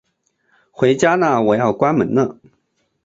回家啦，我要关门了